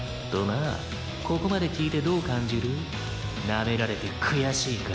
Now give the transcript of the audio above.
「なめられて悔しいか？」